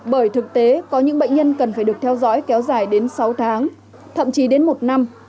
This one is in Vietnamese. bởi thực tế có những bệnh nhân cần phải được theo dõi kéo dài đến sáu tháng thậm chí đến một năm